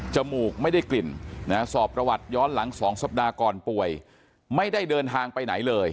มูกไม่ได้กลิ่นสอบประวัติย้อนหลัง๒สัปดาห์ก่อนป่วยไม่ได้เดินทางไปไหนเลย